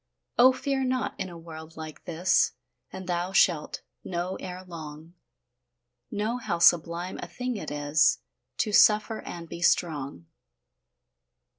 Oh, fear not in a world like this, And thou shalt know ere long, Know how sublime a thing it is To suffer and be strong.